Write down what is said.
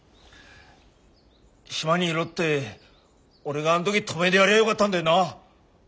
島にいろって俺があん時止めでやりゃあよがったんだよな。